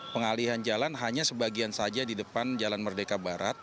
pengalihan jalan hanya sebagian saja di depan jalan merdeka barat